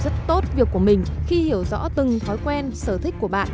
rất tốt việc của mình khi hiểu rõ từng thói quen sở thích của bạn